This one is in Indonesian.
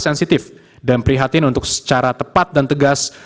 sensitif dan prihatin untuk secara tepat dan tegas